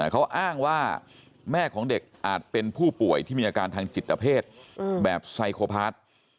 เขาอ้างว่าแม่ของเด็กอาจเป็นผู้ป่วยที่มีอาการทางจิตเพศแบบไซโคพาร์ท